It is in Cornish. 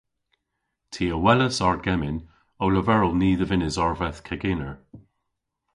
Ty a welas argemmyn ow leverel ni dhe vynnes arveth keginer.